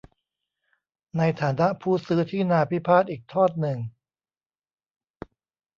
ในฐานะผู้ซื้อที่นาพิพาทอีกทอดหนึ่ง